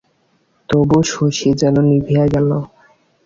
তবু শশী যেন নিভিয়া গেল।